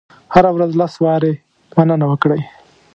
هره ورځ لس وارې مننه وکړئ.